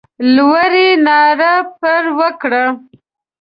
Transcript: لور یې ناره پر وکړه.